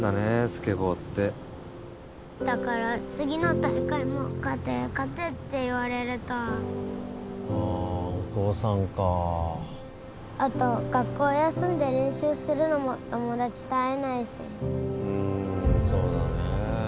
スケボーってだから次の大会も勝て勝てって言われるとああお父さんかあと学校休んで練習するのも友達と会えないしうんそうだねえ